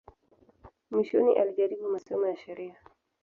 Mwishoni alijaribu masomo ya sheria.